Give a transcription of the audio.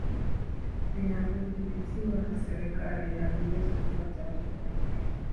vinavyodhibitiwa na serikali haviwezi kutoa taarifa hiyo